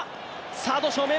サード正面。